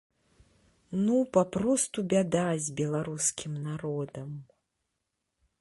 Ну папросту бяда з беларускім народам.